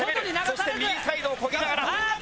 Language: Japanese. そして右サイドを漕ぎながら。